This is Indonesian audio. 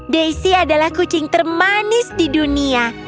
daisy adalah kucing termanis di dunia